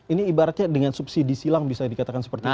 ini ibaratnya dengan subsidi silang bisa dikatakan seperti itu